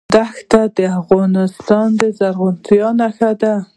دښتې د افغانستان د زرغونتیا نښه ده.